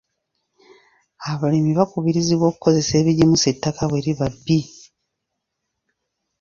Abalimi bakubirizibwa okukozesa ebigimusa ettaka bwe liba bbi.